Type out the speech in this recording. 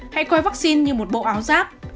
hãy coi vắc xin như một bộ áo giáp